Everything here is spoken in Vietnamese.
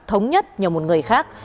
thống nhất nhờ một người khác